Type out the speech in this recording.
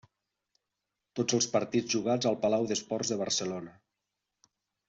Tots els partits jugats al Palau d'Esports de Barcelona.